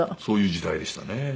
そういう時代でしたね。